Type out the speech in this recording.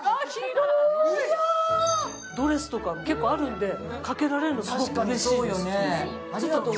ドレスとか結構あるので、かけられるのはうれしいです。